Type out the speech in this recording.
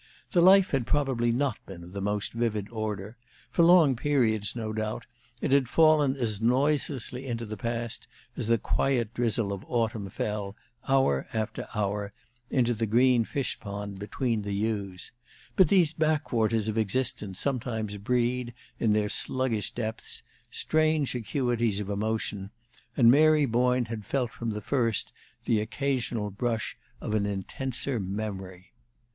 The life had probably not been of the most vivid order: for long periods, no doubt, it had fallen as noiselessly into the past as the quiet drizzle of autumn fell, hour after hour, into the green fish pond between the yews; but these back waters of existence sometimes breed, in their sluggish depths, strange acuities of emotion, and Mary Boyne had felt from the first the occasional brush of an intenser memory.